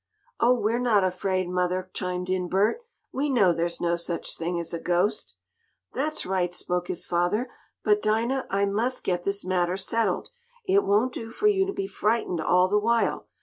"Oh, we're not afraid, mother!" chimed in Bert. "We know there's no such thing as a ghost." "That's right," spoke his father. "But, Dinah, I must get this matter settled. It won't do for you to be frightened all the while.